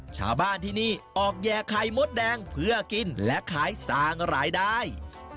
ชาวบ้านที่นี่ออกแย่ไข่มดแดงเพื่อกินและขายสร้างรายได้